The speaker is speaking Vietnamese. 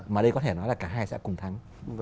mà đây có thể nói là cả hai sẽ cùng thắng